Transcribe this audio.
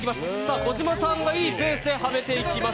小島さんがいいペースではめていきます。